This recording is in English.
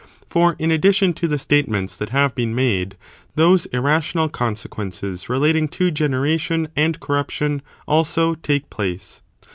For, in addition to the statements that have been made, those irrational consequences relating to generation and corruption, also, take place.